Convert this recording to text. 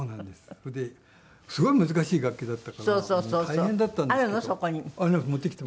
それですごい難しい楽器だったから大変だったんですけど。